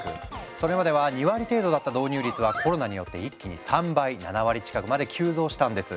それまでは２割程度だった導入率はコロナによって一気に３倍７割近くまで急増したんです。